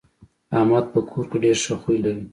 احمد په کور کې ډېر ښه خوی لري.